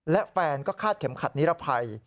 และแฟนก็คาดเข็มขัดนิรภัย